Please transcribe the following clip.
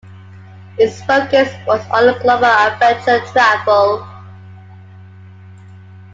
Its focus was on global adventure travel.